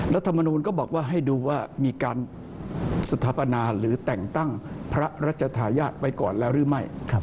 รัฐมนูลก็บอกว่าให้ดูว่ามีการสถาปนาหรือแต่งตั้งพระราชทายาทไปก่อนแล้วหรือไม่